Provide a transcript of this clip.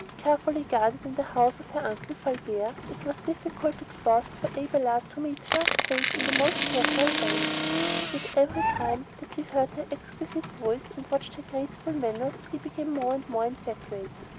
Carefully guarded in the house of her uncle, Fulbert, it was difficult at first for Abelard to meet her save in the most casual way; yet every time that he heard her exquisite voice and watched her graceful manners he became more and more infatuated.